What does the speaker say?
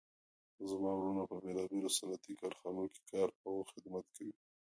زما وروڼه په بیلابیلو صنعتي کارخانو کې کار او خدمت کوي